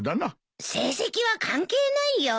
成績は関係ないよ。